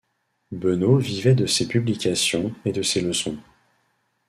Benaut vivait de ses publications et de ses leçons.